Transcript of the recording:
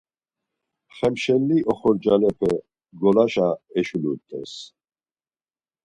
Xemşelli oxorcalepe golaşa eşulut̆es.